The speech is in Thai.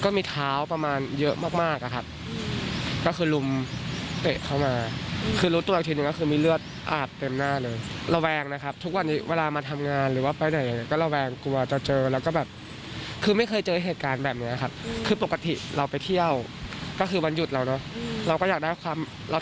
เราก็อยากได้ความเราทำงานเราก็เครียดแล้วอ่ะ